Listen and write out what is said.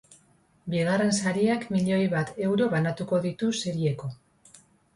Bigarren sariak milioi bat euro banatuko ditu serieko.